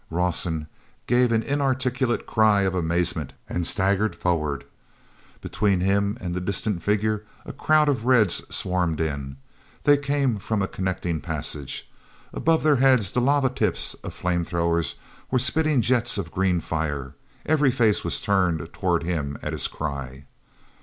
Rawson gave an inarticulate cry of amazement and staggered forward. Between him and the distant figure a crowd of Reds swarmed in. They came from a connecting passage. Above their heads the lava tips of flame throwers were spitting jets of green fire. Every face was turned toward him at his cry.